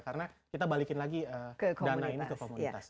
karena kita balikin lagi dana ini ke komunitas